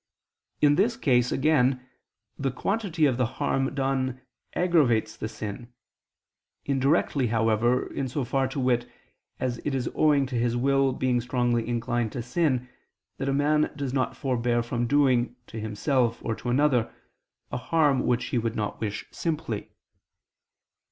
In this case again the quantity of the harm done aggravates the sin; indirectly, however, in so far, to wit, as it is owing to his will being strongly inclined to sin, that a man does not forbear from doing, to himself or to another, a harm which he would not wish simply.